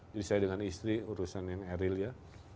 jadi saya dengan istri urusan yang eril ya